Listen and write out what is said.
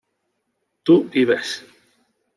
tú vives